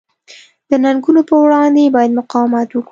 د ننګونو پر وړاندې باید مقاومت وکړي.